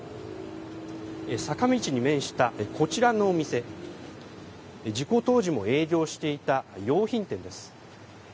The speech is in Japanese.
坂道に面したこちらの店、事故当時も営業していた洋品店です。